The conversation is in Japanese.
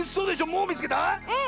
もうみつけた⁉うん！